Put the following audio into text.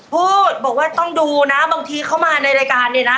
พูดบอกว่าต้องดูนะบางทีเข้ามาในรายการเนี่ยนะ